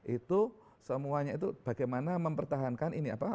itu semuanya itu bagaimana mempertahankan ini apa